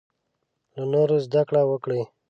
له نورو زده کړه وکړې.